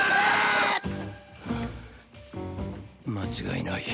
間違いない。